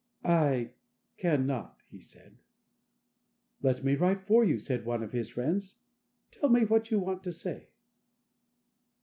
"I cannot," he said. "Let me write for you," said one of his friends, "tell me what you want to say."